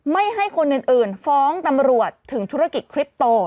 ไม่ให้คนอื่นฟ้องตำรวจถึงธุรกิจคลิปโต